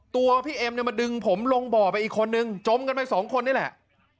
ตัวพี่เอ็มเนี่ยมาดึงผมลงบ่อไปอีกคนนึงจมกันไปสองคนนี่แหละ